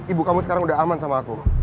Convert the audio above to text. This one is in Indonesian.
ibu kamu sekarang udah aman sama aku